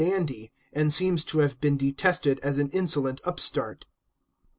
XXL dandy, and seems to have been detested as an insolent up start.